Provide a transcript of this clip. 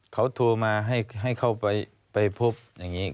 เขาโทรมาให้เขาไปพบอย่างนี้